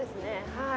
はい。